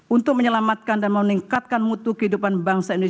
untuk menyelamatkan dan meningkatkan mutu kehidupan berbangsa